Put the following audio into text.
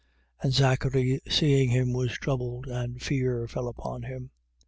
And Zachary seeing him, was troubled: and fear fell upon him.